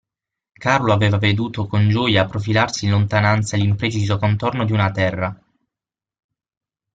Carlo aveva veduto con gioia profilarsi in lontananza l'impreciso contorno di una terra.